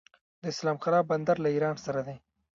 د اسلام قلعه بندر له ایران سره دی